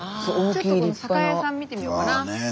ちょっとこの酒屋さん見てみようかな。